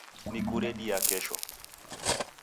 Nikuredia kesho